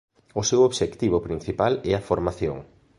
O seu obxectivo principal é a formación.